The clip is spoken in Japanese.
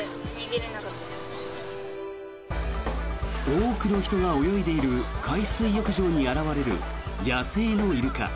多くの人が泳いでいる海水浴場に現れる野生のイルカ。